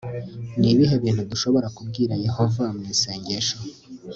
ni ibihe bintu dushobora kubwira yehova mu isengesho